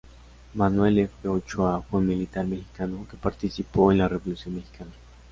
Manuel F. Ochoa fue un militar mexicano que participó en la Revolución mexicana.